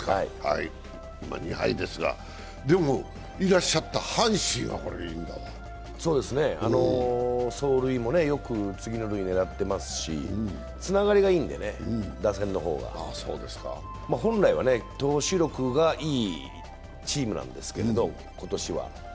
今２敗ですが、でも、いらっしゃった阪神は走塁もよく、次の塁狙っていますし、つながりがいいんでね、打線の方が本来は投手力がいいチームなんですけれども、今年は。